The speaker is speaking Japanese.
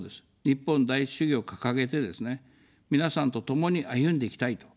日本第一主義を掲げてですね、皆さんと共に歩んでいきたいと。